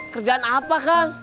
kerjaan apa kang